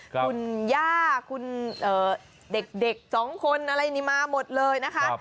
คุณย่าคุณเด็กสองคนอะไรนี่มาหมดเลยนะคะ